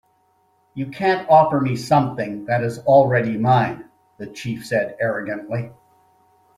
"You can't offer me something that is already mine," the chief said, arrogantly.